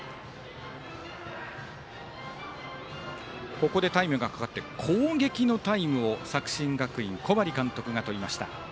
ここでタイムがかかって攻撃のタイムを作新学院、小針監督がとりました。